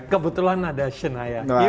kebetulan ada shania